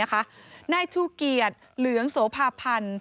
หน้าชู่เกียรติเหลืองโสภาพันธ์